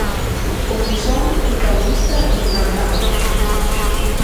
O frisón, protagonista en Gandagro.